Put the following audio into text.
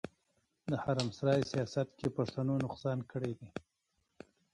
د حرم سرای سياست کې پښتنو نقصان کړی دی.